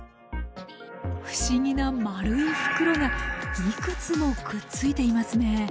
不思議な丸い袋がいくつもくっついていますね。